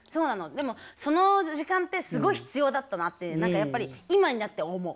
でもその時間ってすごい必要だったなって何かやっぱり今になって思う。